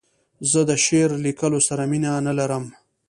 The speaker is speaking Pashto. زه د شعر لیکلو سره مینه نه لرم.